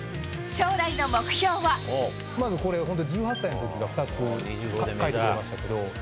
まずこれ、本当に１８歳のときが２つ、書いてくれましたけど。